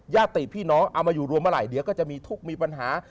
ติพี่น้องเอามาอยู่รวมเมื่อไหร่เดี๋ยวก็จะมีทุกข์มีปัญหา